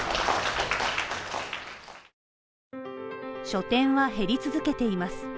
書店は減り続けています。